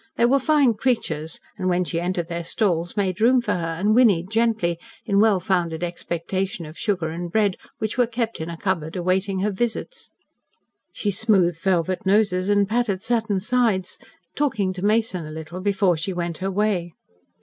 They were fine creatures, and, when she entered their stalls, made room for her and whinnied gently, in well founded expectation of sugar and bread which were kept in a cupboard awaiting her visits. She smoothed velvet noses and patted satin sides, talking to Mason a little before she went her way.